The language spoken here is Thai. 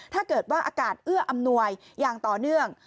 อากาศเอื้ออำนวยอย่างต่อเนื่อง